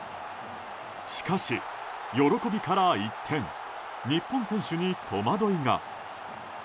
しかし、喜びから一転日本選手に戸惑いが。